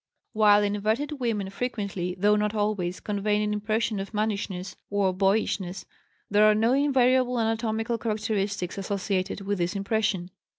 While inverted women frequently, though not always, convey an impression of mannishness or boyishness, there are no invariable anatomical characteristics associated with this impression.